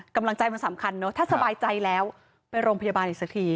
กำลังใจมันสำคัญเนอะถ้าสบายใจแล้วไปโรงพยาบาลอีกสักที